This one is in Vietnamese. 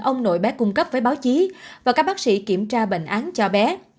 ông nội bé cung cấp với báo chí và các bác sĩ kiểm tra bệnh án cho bé